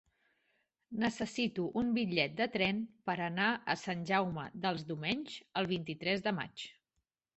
Necessito un bitllet de tren per anar a Sant Jaume dels Domenys el vint-i-tres de maig.